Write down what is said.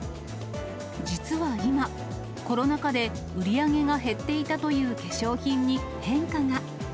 実は今、コロナ禍で売り上げが減っていたという化粧品に変化が。